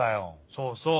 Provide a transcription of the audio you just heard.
そうそう。